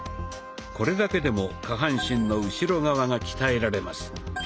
これだけでも下半身の後ろ側が鍛えられます。